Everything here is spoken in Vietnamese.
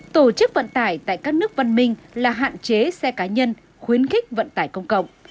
tổ chức vận tải tại các nước văn minh là hạn chế xe cá nhân khuyến khích vận tải công cộng